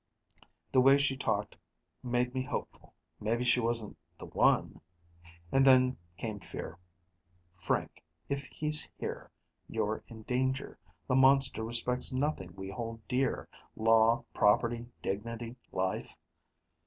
The way she talked made me hopeful. Maybe she wasn't the one ... and then came fear. Frank, if he's here, you're in danger. The monster respects nothing we hold dear law, property, dignity, life.